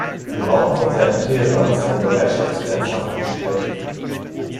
Wir brauchen vonseiten Teherans eine Bereitschaft zu ernsthaften Gesprächen.